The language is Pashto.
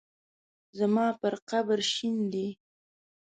زما پر قبر شیندي